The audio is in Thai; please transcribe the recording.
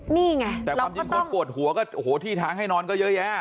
นี่ไงแต่ความจริงก็บกวดหัวก็โถี่ท้านให้นอนก็เยอะแยะ